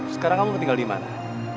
sekarang kamu bakal tinggal dimana